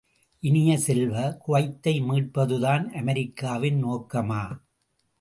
இனிய செல்வ, குவைத்தை மீட்பதுதான் அமெரிக்காவின் நோக்கமா?